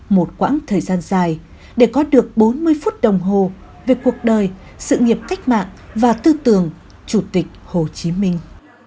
một quãng thời gian dài để có được bốn mươi phút đồng hồ về cuộc đời sự nghiệp cách mạng và tư tưởng chủ tịch hồ chí minh